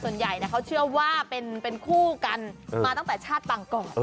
ส่วนใหญ่เขาเชื่อว่าเป็นคู่กันมาตั้งแต่ชาติบางกอก